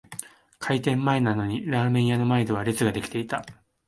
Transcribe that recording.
開店前なのにラーメン屋の前では列が出来ていた